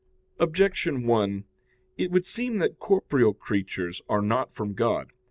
Objection 1: It would seem that corporeal creatures are not from God.